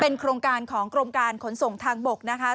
โครงการของกรมการขนส่งทางบกนะคะ